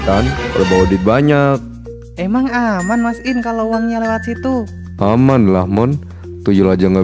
kan berbau di banyak emang aman mas in kalau uangnya lewat situ aman lah mon tujuh aja nggak